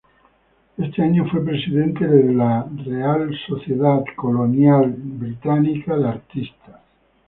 Este año fue presidente de la "Royal British Colonial Society of Artists".